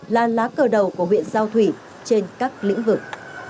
là lá cờ đầu của huyện giao thủy trên các lĩnh vực